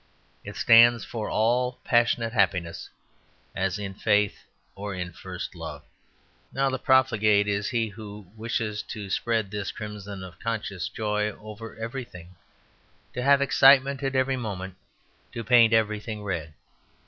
It stands for all passionate happiness, as in faith or in first love. Now, the profligate is he who wishes to spread this crimson of conscious joy over everything; to have excitement at every moment; to paint everything red.